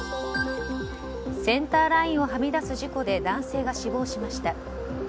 センターラインをはみ出す事故で男性が死亡しました。